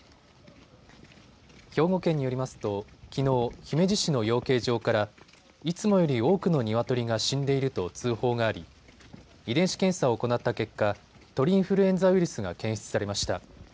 兵庫県によりますと、きのう姫路市の養鶏場からいつもより多くのニワトリが死んでいると通報があり遺伝子検査を行った結果、鳥インフルエンザウイルスが検出されました。